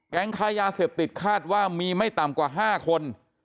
ค้ายาเสพติดคาดว่ามีไม่ต่ำกว่า๕คน